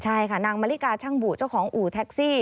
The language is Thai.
ใช่ค่ะนางมะลิกาช่างบุเจ้าของอู่แท็กซี่